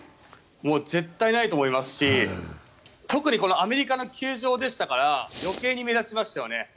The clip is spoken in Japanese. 絶対ないと思いますし特にアメリカの球場でしたから余計に目立ちましたよね。